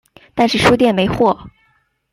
但是书店没货